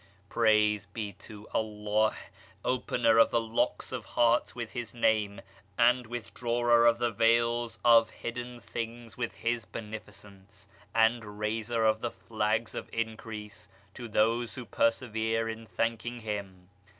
Praise be to Allah, opener of the locks of hearts with his name, and withdrawer of the veils of hidden [p.328] things with his beneficence, and raiser of the flags of increase to those who persevere in thanking him.